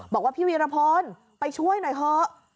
บอกว่าพี่วีรพลไปช่วยหน่อยเถอะ